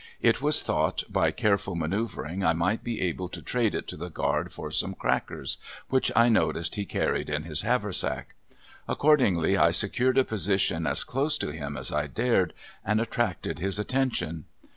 It was thought by careful manoeuvering I might be able to trade it to the guard for some crackers, which I noticed he carried in his haversack. Accordingly, I secured a position as close to him as I dared, and attracted his attention.